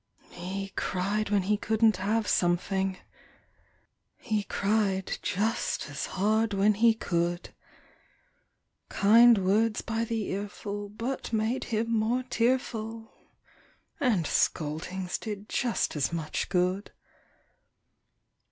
He cried when he couldn't have something; He cried just as hard when he could; Kind words by the earful but made him more tearful, And scoldings did just as much good.